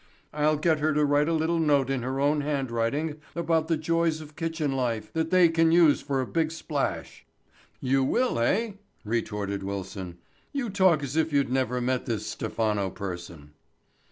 I'll get her to write a little note in her own handwriting about the joys of kitchen life that they can use for a big splash." "You will, eh," retorted Wilson. "You talk as if you'd never met this Stephano person."